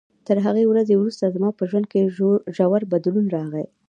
تر همغې ورځې وروسته زما په ژوند کې ژور بدلون راغی.